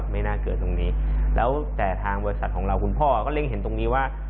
ไม่น่าเกิดตรงนี้แล้วแต่ทางบริษัทของเราคุณพ่อก็เร่งเห็นตรงนี้ว่า